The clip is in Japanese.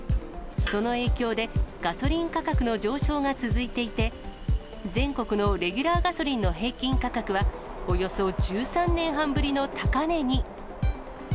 その影響で、ガソリン価格の上昇が続いていて、全国のレギュラーガソリンの平均価格は、およそ１３年半ぶりの高値に。